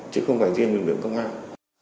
chứ không phải riêng huyện vực công an